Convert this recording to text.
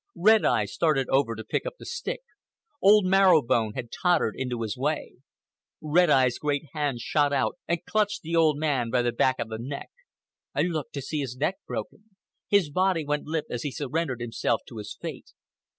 Red Eye started over to pick up the stick. Old Marrow Bone had tottered into his way. Red Eye's great hand shot out and clutched the old man by the back of the neck. I looked to see his neck broken. His body went limp as he surrendered himself to his fate.